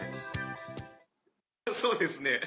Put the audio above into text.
そうですね。